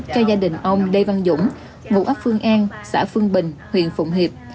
cho gia đình ông lê văn dũng ngụ ấp phương an xã phương bình huyện phụng hiệp